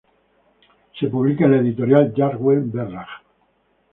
Se publica en la editorial Jackwerth-Verlag.